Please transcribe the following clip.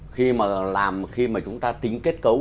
khi mà làm khi mà chúng ta tính kết cấu